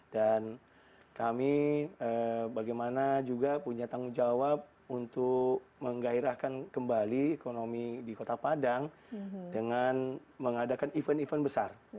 dan kami bagaimana juga punya tanggung jawab untuk menggairahkan kembali ekonomi di kota padang dengan mengadakan event event besar